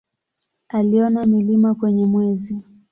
Aliona milima kwenye Mwezi.